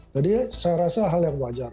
jadi saya rasa hal yang wajar